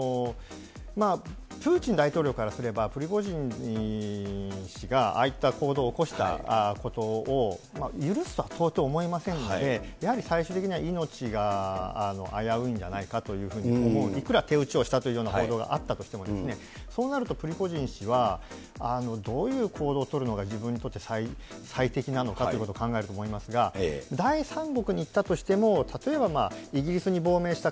プーチン大統領からすれば、プリゴジン氏がああいった行動を起こしたことを許すとは到底思えませんので、やはり最終的には、命が危ういんじゃないかと思う、いくら手打ちをしたという報道があったとしても、そうなると、プリゴジン氏はどういう行動を取るのが自分にとって最適なのかということを考えると思いますが、第三国に行ったとしても、例えばイギリスに亡命した